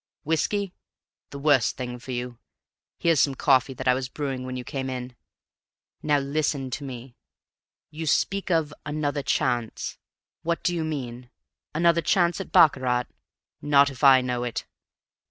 Whiskey? The worst thing for you; here's some coffee that I was brewing when you came in. Now listen to me. You speak of 'another chance.' What do you mean? Another chance at baccarat? Not if I know it!